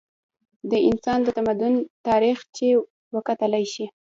د انسان د تمدن تاریخ چې وکتلے شي